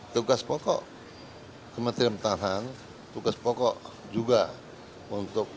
tugas pokok kementerian pertahanan tugas pokok juga untuk